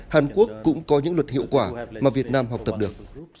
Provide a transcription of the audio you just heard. hàn quốc cũng có những luật hiệu quả mà việt nam học tập được